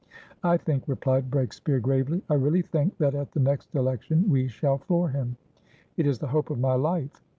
"I think," replied Breakspeare, gravely, "I really think, that at the next election we shall floor him. It is the hope of my life.